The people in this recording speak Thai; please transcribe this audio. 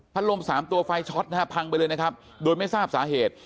ลมสามตัวไฟช็อตนะฮะพังไปเลยนะครับโดยไม่ทราบสาเหตุ